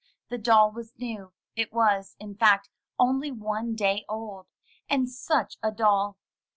The doll was new — it was, in fact, only one day old — and such a doll!